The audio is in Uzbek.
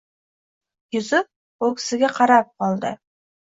Yuzi ko‘ksiga qarab qoldi.